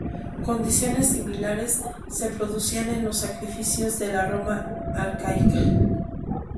Condiciones similares se producían en los sacrificios de la Roma arcaica.